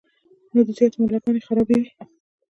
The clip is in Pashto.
نو د زياترو ملاګانې خرابې وي -